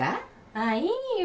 ああいいよ。